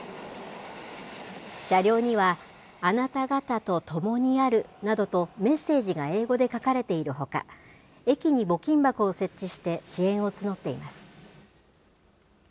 車両には、あなた方とともにあるなどと、メッセージが英語で書かれているほか、駅に募金箱を設置して、支援を募っています。